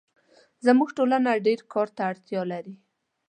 زموږ ټولنه ډېرکار ته اړتیا لري